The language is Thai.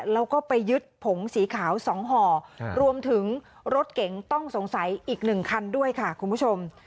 แล้วก็ไปยึดผงสีขาว๒ห่อรวมถึงรถเก๋งต้องสงสัยอีก๑คันด้วยค่ะคุณผู้ชม